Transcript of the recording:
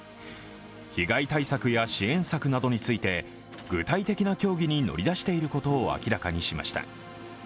被害対策や支援策などについて具体的な協議に乗り出していることを明らかにしました。